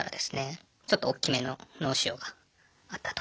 ちょっと大きめの脳腫瘍があったと。